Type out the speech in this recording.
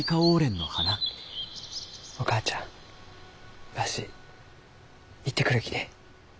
お母ちゃんわし行ってくるきね。